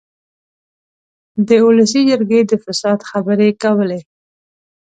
د اولسي جرګې د فساد خبرې کولې.